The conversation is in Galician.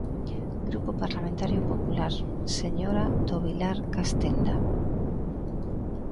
Grupo Parlamentario Popular, señora do Vilar Castenda.